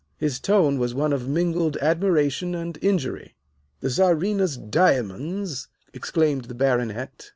His tone was one of mingled admiration and injury. "The Czarina's diamonds!" exclaimed the Baronet.